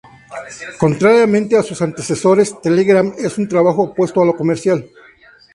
Contrariamente a sus antecesores, Telegram es un trabajo opuesto a lo comercial.